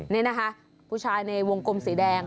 นี่นะคะผู้ชายในวงกลมสีแดง